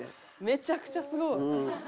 めちゃくちゃすごい。